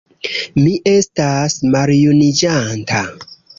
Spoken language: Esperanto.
Mi estas maljuniĝanta.